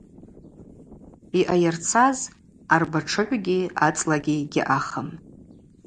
Йъайырцаз – арбатшыгӏвгьи ацӏлагьи гьаъахым.